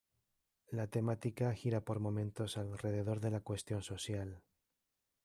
La temática gira por momentos alrededor de la cuestión social.